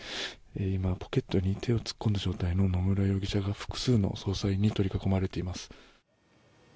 今、ポケットに手を突っ込んだ状態の野村容疑者が複数の捜査員に取り囲まれています。